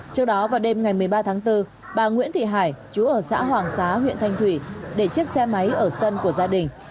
trước đó vào đêm ngày một mươi ba tháng bốn bà nguyễn thị hải chú ở xã hoàng xá huyện thanh thủy để chiếc xe máy ở sân của gia đình